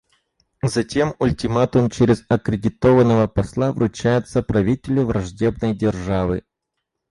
Затем ультиматум через аккредитованного посла вручается правителю враждебной державы.